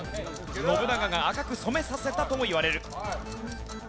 信長が赤く染めさせたともいわれる。